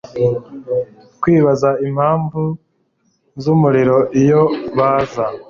kwibaza impamvu zumuriro Iyo baza